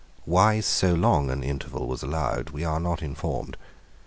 Why so long an interval was allowed we are not informed.